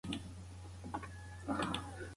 د ماشوم روزنه هنر دی.